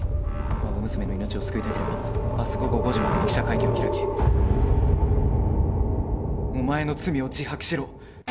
孫娘の命を救いたければ明日午後５時までに記者会見を開きお前の罪を自白しろ。